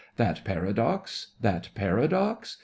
That paradox? That paradox?